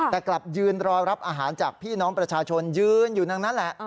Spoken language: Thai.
แต่กลับยืนรอรับอาหารจากพี่น้องประชาชนยืนอยู่ดังนั้นแหละ